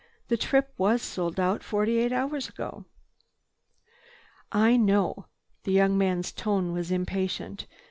"The trip was sold out forty eight hours ago." "I know—" The young man's tone was impatient.